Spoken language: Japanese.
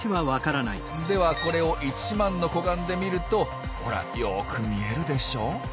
ではこれを１万の個眼で見るとほらよく見えるでしょ！